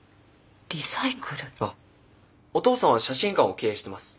あっお父さんは写真館を経営してます。